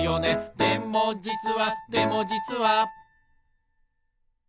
「でもじつはでもじつは」